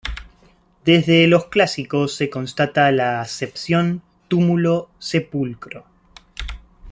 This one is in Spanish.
Desde los clásicos se constata la acepción "túmulo, sepulcro".